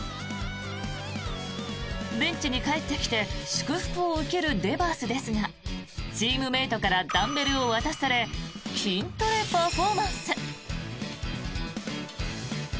ベンチに帰ってきて祝福を受けるデバースですがチームメートからダンベルを渡され筋トレパフォーマンス。